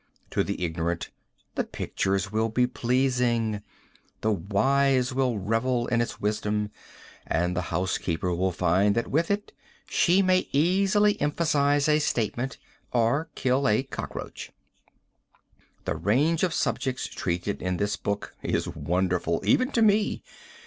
To the ignorant, the pictures will be pleasing. The wise will revel in its wisdom, and the housekeeper will find that with it she may easily emphasize a statement or kill a cockroach. The range of subjects treated in this book is wonderful, even to me.